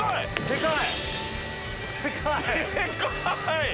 でかい！